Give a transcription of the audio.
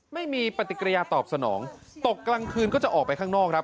ไม่มีปฏิกิริยาตอบสนองตกกลางคืนก็จะออกไปข้างนอกครับ